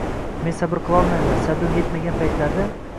Men sabr qilolmagan, sabrim yetmagan paytlarda